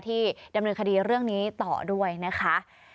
ที่ดำเนินคดีเรื่องนี้ต่อด้วยนะคะ